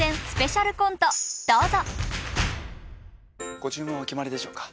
ご注文はお決まりでしょうか？